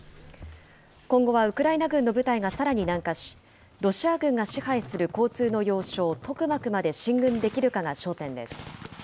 今後はウクライナ軍の部隊がさらに南下し、ロシア軍が支配する交通の要衝、トクマクまで進軍できるかが焦点です。